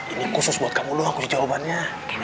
ini khusus buat kamu doang kunci jawabannya